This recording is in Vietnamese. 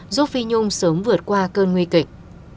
giúp phi nhung sớm vượt qua cơn nguy kịch